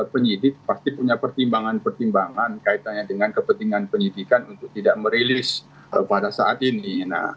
penyidik pasti punya pertimbangan pertimbangan kaitannya dengan kepentingan penyidikan untuk tidak merilis pada saat ini